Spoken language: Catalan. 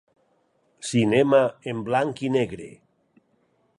Cinema en blanc i negre.